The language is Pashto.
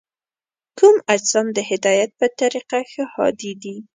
کوم اجسام د هدایت په طریقه ښه هادي دي؟